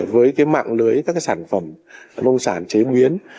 với cái mạng lưới các cái sản phẩm nông sản chế biến